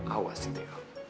awas sih teo